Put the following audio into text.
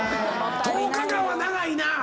１０日間は長いなぁ。